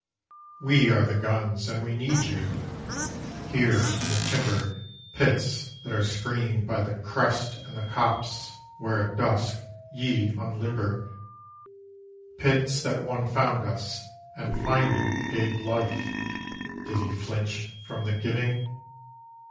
We are the guns and we need you! Here in the timbered Pits that are screened by the crest and the copse where at dusk ye unlimbered, Pits that one found us and, finding, gave life (did he flinch from the giving?)